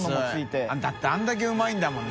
世辰あれだけうまいんだもんね。